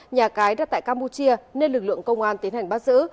nhà cái đặt tại campuchia nên lực lượng công an tiến hành bắt giữ